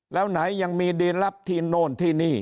แล้วไหนยังมีดีลับที่โน่นที่นี่